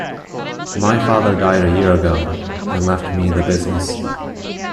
My father died a year ago and left me the business.